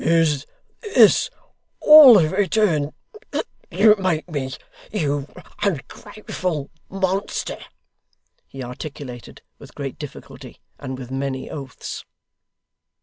'Is this all the return you make me, you ungrateful monster?' he articulated with great difficulty, and with many oaths.